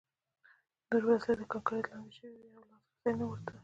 نورې وسلې د کانکریټ لاندې شوې وې او لاسرسی نه ورته و